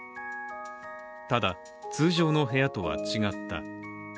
ただ、通常の部屋とは違った。